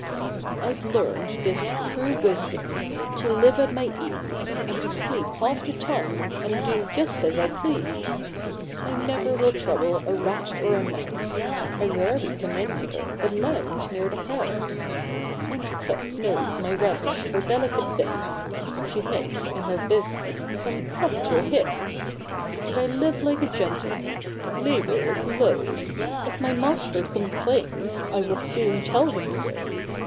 I ve learned this true wisdom, — to live at my ease, And to sleep half the time, and do just as I please! I never will trouble a rat or a mouse ; I rarely come in here, but lounge near the house; And Cook knows my relish for delicate bits ; She makes, in her business, some capital hits; And I live like a gentleman ; labor is low ; If my master complains I will soon tell him so.